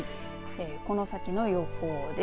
この先の予報です。